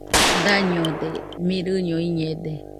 Dañode, mirɨño iñede.